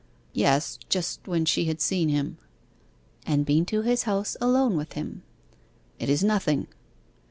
'Yes, just when she had seen him.' 'And been to his house alone with him.' 'It is nothing.